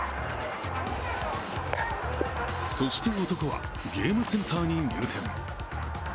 そして男はゲームセンターに入店。